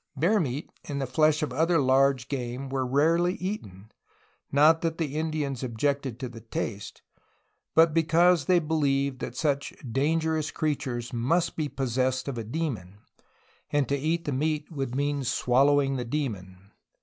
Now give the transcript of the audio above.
Bear meat and the flesh of other large game were rarely eaten, not that the Indians objected to the taste, but because they believed that such dangerous crea tures must be possessed of a demon, and to eat the meat would mean swallowing the demon.